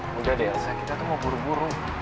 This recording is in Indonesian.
gak ada elsa kita tuh mau buru buru